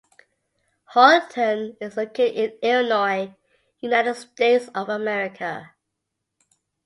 Hoyleton is located in Illinois, United States of America.